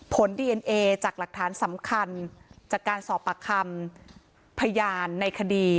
ผลดีเอ็นเอจากหลักฐานสำคัญจากการสอบปากคำพยานในคดี